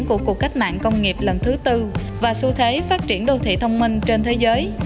của cuộc cách mạng công nghiệp lần thứ tư và xu thế phát triển đô thị thông minh trên thế giới